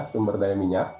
sumber daya minyak